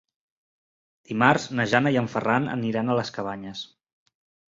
Dimarts na Jana i en Ferran aniran a les Cabanyes.